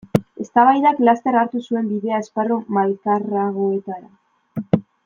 Eztabaidak laster hartu zuen bidea esparru malkarragoetara.